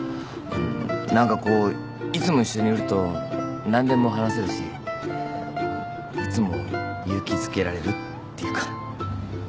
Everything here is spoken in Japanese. ん何かこういつも一緒にいると何でも話せるしこういつも勇気づけられるっていうか。